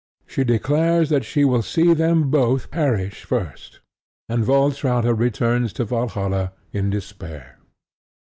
She declares that she will see them both perish first; and Valtrauta returns to Valhalla in despair.